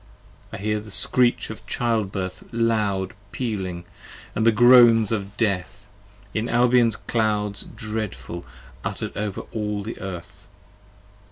I hear the screech of Childbirth loud pealing, & the groans Of Death, in Albion's clouds dreadful utter 'd over all the Earth.